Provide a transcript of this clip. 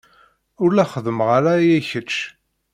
Ur la xeddmeɣ ara aya i kečč.